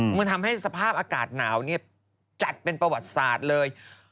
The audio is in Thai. มันทำให้สภาพอากาศหนาวจัดเป็นประวัติศาสตร์เลย